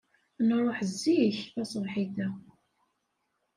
Nṛuḥ zik tasebḥit-a.